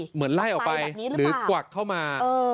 เหมือนไล่ออกไปหรือกวักเข้ามา